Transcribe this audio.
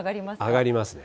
上がりますね。